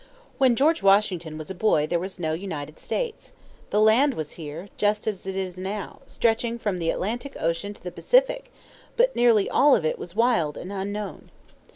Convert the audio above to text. When George Washington was a boy there was no United States. The land was here, just as it is now, stretching from the Atlantic Ocean to the Pacific; but nearly all of it was wild and unknown.